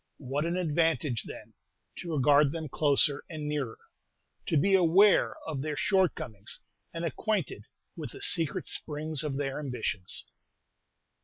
What an advantage, then, to regard them closer and nearer, to be aware of their shortcomings, and acquainted with the secret springs of their ambitions!